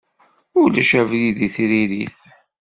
Ulac abrid i tririt.